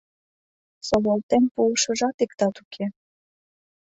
Солалтен пуышыжат иктат уке.